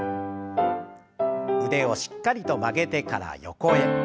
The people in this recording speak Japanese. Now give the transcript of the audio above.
腕をしっかりと曲げてから横へ。